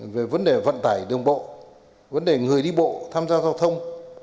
về vấn đề vận tải đường bộ vấn đề người đi bộ tham gia giao thông